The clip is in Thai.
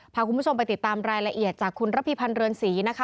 พาคุณผู้ชมไปติดตามรายละเอียดจากคุณระพีพันธ์เรือนศรีนะคะ